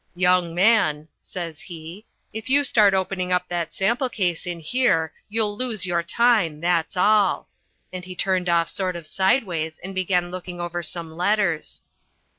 "Young man," says he, "if you start opening up that sample case in here, you'll lose your time, that's all" and he turned off sort of sideways and began looking over some letters.